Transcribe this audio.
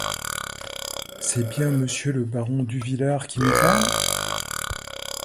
C'est bien monsieur le baron Duvillard qui me parle?